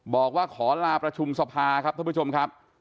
บอกว่าขอลาประชุมสภาครับท่านผู้ชมครับ